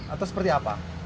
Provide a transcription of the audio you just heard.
atau seperti apa